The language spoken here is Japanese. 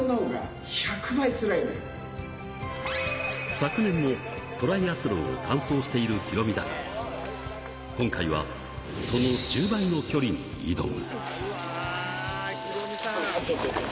昨年もトライアスロンを完走しているヒロミだが、今回はその１０倍の距離に挑む。